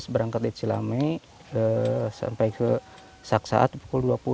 delapan belas berangkat di cilame sampai ke saksat pukul dua puluh